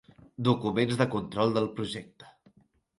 Documents de control del projecte.